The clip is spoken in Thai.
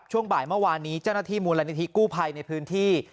ช่วงบ่ายเมื่อวานนี้เจ้าหน้าที่มูลนิธิกู้ภัยในพื้นที่